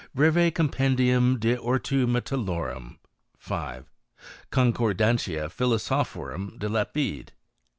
Breve Compendium de Ortu Metallorum. • 5. Concordantia Philosophorum de Lapide.